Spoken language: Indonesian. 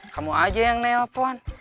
kamu aja yang nelpon